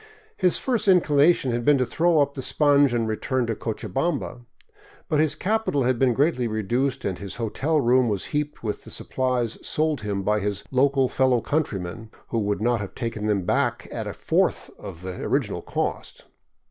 His first inclination had been to throw up the sponge and return to Cochabamba. But his capital had been greatly reduced and his hotel room was heaped with the supplies sold him by his local fellow coun trymen, who would not have taken them back at a fourth of the original cost.